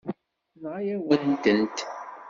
Tenɣa-yawen-tent.